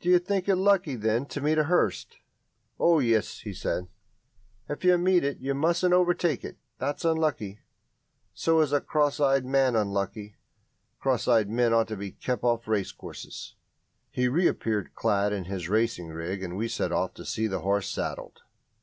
"Do you think it lucky, then, to meet a hearse?" "Oh, yes," he said, "if you meet it. You mustn't overtake it that's unlucky. So is a cross eyed man unlucky. Cross eyed men ought to be kept off racecourses." He reappeared clad in his racing rig, and we set off to see the horse saddled.